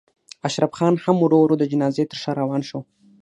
اشرف خان هم ورو ورو د جنازې تر شا روان شو.